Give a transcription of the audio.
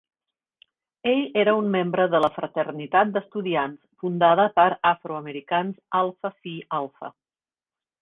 Ell era un membre de la fraternitat d'estudiants fundada per afroamericans Alpha Phi Alpha.